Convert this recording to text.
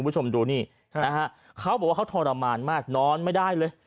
คุณผู้ชมดูนี่นะฮะเขาบอกว่าเขาทรมานมากนอนไม่ได้เลย